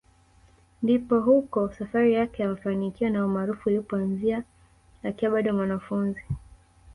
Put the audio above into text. Ndipo huko safari yake ya mafanikio na umaarufu ilipoanzia akiwa bado mwanafunzi